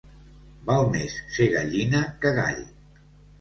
Val més ser gallina que gall.